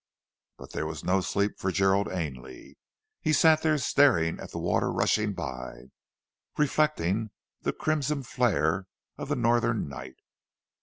But there was no sleep for Gerald Ainley. He sat there staring at the water rushing by, reflecting the crimson flare of the Northern night.